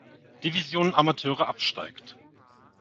Division Amateure absteigt.